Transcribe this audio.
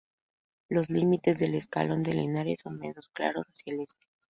Los límites del escalón de Linares son menos claros hacia el este.